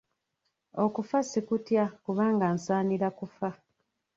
Okufa sikutya kubanga nsaanira kufa.